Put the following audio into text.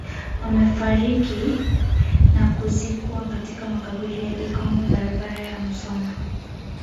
Wamefariki na kuzikwa katika makaburi ya Igoma barabara ya Musoma